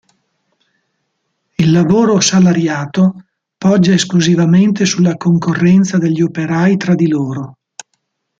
Il lavoro salariato poggia esclusivamente sulla concorrenza degli operai tra di loro.